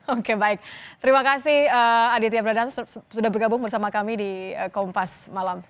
oke baik terima kasih aditya berada sudah bergabung bersama kami di kompas malam